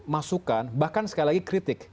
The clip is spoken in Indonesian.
masukan bahkan sekali lagi kritik